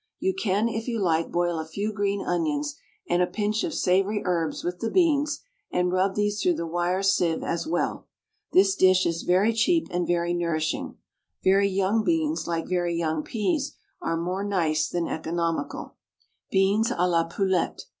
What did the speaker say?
You can if you like boil a few green onions and a pinch of savoury herbs with the beans, and rub these through the wire sieve as well. This dish is very cheap and very nourishing. Very young beans, like very young peas, are more nice than economical. BEANS A LA POULETTE.